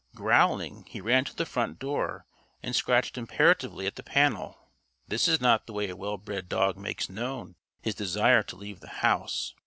Growling, he ran to the front door and scratched imperatively at the panel. This is not the way a well bred dog makes known his desire to leave the house.